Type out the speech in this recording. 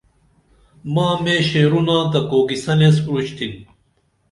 ماں مے شعرونا تہ کوکِسن ایس اُرُشتِن